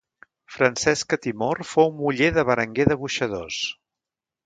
Francesca Timor fou muller de Berenguer de Boixadors.